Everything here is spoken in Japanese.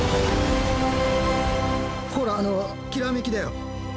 ほら、きらめきだよ。